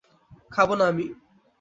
খাবো না আমি।